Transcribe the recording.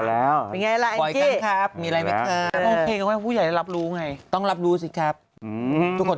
แล้วพี่ไปหาคุณพี่บ๊าน